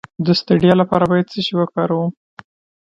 د ستړیا لپاره باید څه شی وکاروم؟